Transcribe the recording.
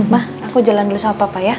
mah aku jalan dulu sama papa ya